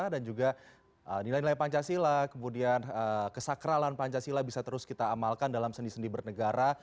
dan juga nilai nilai pancasila kemudian kesakralan pancasila bisa terus kita amalkan dalam sendi sendi bernegara